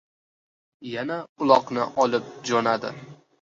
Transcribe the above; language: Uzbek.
Yana uloqni olib jo‘nadi.